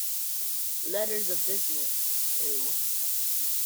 Letters of business, too!